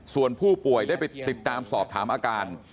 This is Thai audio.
ส่วนผู้ป่วยได้ไปติดตามสอบถามอาการ